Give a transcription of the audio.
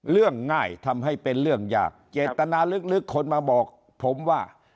เรื่องง่ายทำให้เป็นเรื่องยากเจตนาลึกคนมาบอกผมว่า